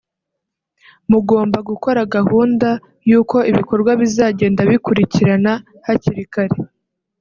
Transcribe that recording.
mugomba gukora gahunda y’uko ibikorwa bizagenda bikurikirana hakiri kare